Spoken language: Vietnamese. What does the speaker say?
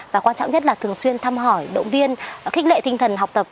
và quan trọng nhất là thường xuyên thăm hỏi động viên khích lệ tinh thần học tập